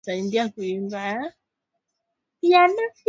Alielezea jambo lililotukia